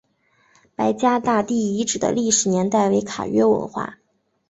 白家大地遗址的历史年代为卡约文化。